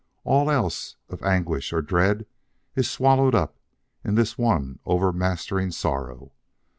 All else of anguish or dread is swallowed up in this one over mastering sorrow.